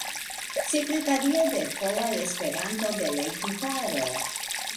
Sekretario de Pola Esperanto-Delegitaro.